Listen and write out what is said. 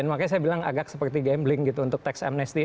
dan makanya saya bilang agak seperti gambling gitu untuk tax amnesty